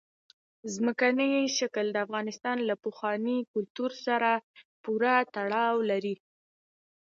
ځمکنی شکل د افغانستان له پخواني کلتور سره پوره تړاو لري.